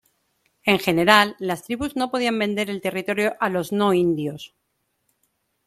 En general, las tribus no podían vender el territorio a los no-indios.